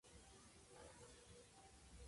きゃー大変！